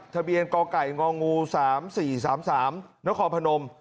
ทะเบียนกกง๓๔๓๓นพ